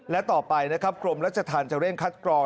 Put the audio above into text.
และต่อไปนะครับกรมรัชธรรมจะเร่งคัดกรอง